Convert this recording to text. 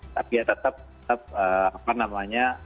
tapi ya tetap tetap apa namanya